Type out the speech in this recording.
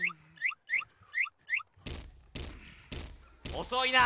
おそいな。